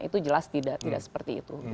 itu jelas tidak seperti itu